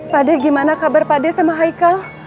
pade gimana kabar pade sama haikal